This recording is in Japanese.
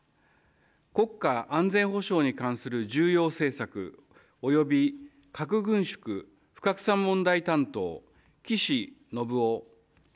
国家安全保障に関する重要政策および核軍縮不拡散担当、岸信夫。